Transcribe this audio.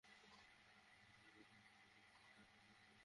যানবাহনের চাপ বেশি থাকায় গতিরোধক যন্ত্রটির ডান অংশটি বেশি ক্ষতি হয়েছে।